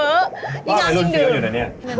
พ่ออะไรที่นี่ว่าอยู่ในนี่